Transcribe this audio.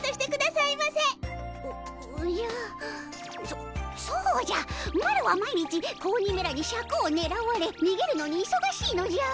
そそうじゃマロは毎日子鬼めらにシャクをねらわれにげるのにいそがしいのじゃ。